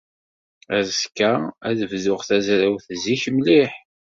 Azekka, ad bduɣ tazrawt zik mliḥ.